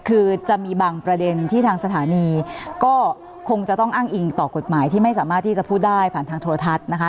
คือจะมีบางประเด็นที่ทางสถานีก็คงจะต้องอ้างอิงต่อกฎหมายที่ไม่สามารถที่จะพูดได้ผ่านทางโทรทัศน์นะคะ